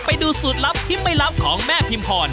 ไปดูสูตรลับที่ไม่ลับของแม่พิมพร